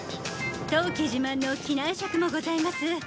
当機自慢の機内食もございます。